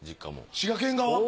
滋賀県側？